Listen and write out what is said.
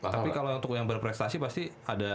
tapi kalau untuk yang berprestasi pasti ada